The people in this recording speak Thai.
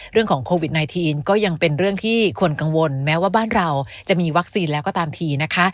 เรื่องของโควิด๑๙ก็ยังเป็นเรื่องที่คนกังวลแม้ว่าบ้านเราจะมีวัคซีนแล้วก็ตามทีนะคะ